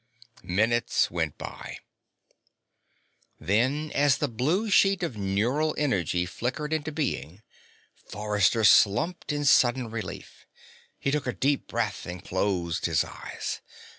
Minutes went by. Then, as the blue sheet of neural energy flickered into being, Forrester slumped in sudden relief. He took a deep breath and closed his eyes.